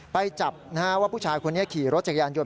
ไปจับว่าผู้ชายคนนี้ขี่รถจักรยานยนต